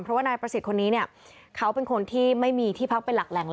เพราะว่านายประสิทธิ์คนนี้เนี่ยเขาเป็นคนที่ไม่มีที่พักเป็นหลักแหล่ง